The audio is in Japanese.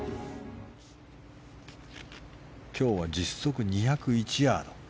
今日は実測２０１ヤード。